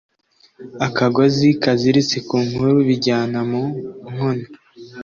akagozi kaziritse ku nkuru bijyana mu nkono